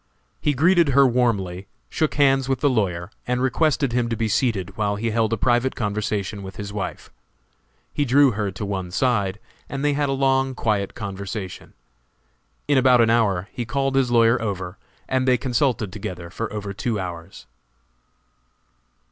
He greeted her warmly, shook hands with the lawyer, and requested him to be seated while he held a private conversation with his wife. He drew her to one side, and they had a long, quiet conversation. In about an hour he called his lawyer over, and they consulted together for over two hours.